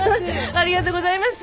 ありがとうございます。